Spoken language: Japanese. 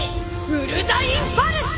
ウルダインパルス！